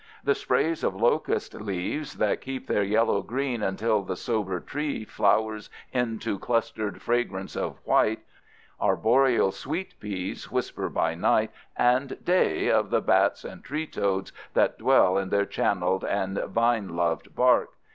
The sprays of locust leaves that keep their yellow green until the sober tree flowers into clustered fragrance of white, arboreal sweet peas whisper by night and day of the bats and tree toads that dwell in their channeled and vine loved bark.